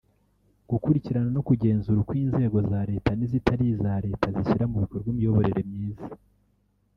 Gukurikirana no kugenzura uko inzego za leta n’izitari iza leta zishyira mu bikorwa imiyoborere myiza